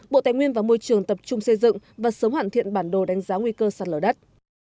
bộ tài nguyên và môi trường tập trung xây dựng và sớm hoàn thiện bản đồ đánh giá nguy cơ sạt lở đất